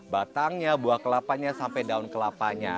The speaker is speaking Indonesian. batangnya buah kelapanya sampai daun kelapanya